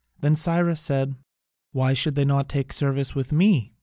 Then Cyrus said: "Why should they not take service with me?